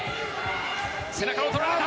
背中をとられた！